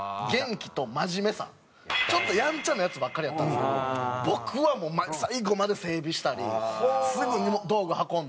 ちょっとヤンチャなヤツばっかりやったんですけど僕は最後まで整備したりすぐ道具運んだり。